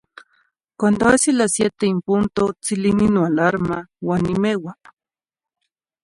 Cuando ahsi las siete en punto tzilini noalarma uan neh nimeua.